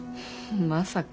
まさか。